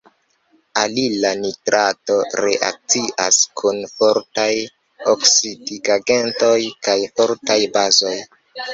Alila nitrato reakcias kun fortaj oksidigagentoj kaj fortaj bazoj.